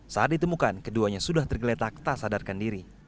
saat ditemukan keduanya sudah tergeletak tak sadarkan diri